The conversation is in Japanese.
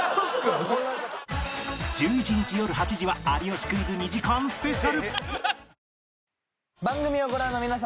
１１日よる８時は『有吉クイズ』２時間スペシャル